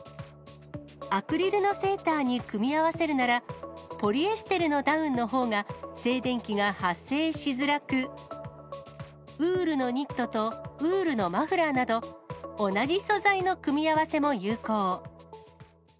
アクリルのセーターに組み合わせるなら、ポリエステルのダウンのほうが静電気が発生しづらく、ウールのニットとウールのマフラーなど、同じ素材の組み合わせも有効。